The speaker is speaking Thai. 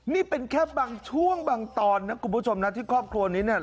นี่เป็นแค่บางช่วงบางตอนนะคุณผู้ชมนะที่ครอบครัวนี้เนี่ย